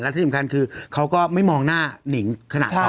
แล้วที่สำคัญคือเขาก็ไม่มองหน้านิ่งขนาดเขา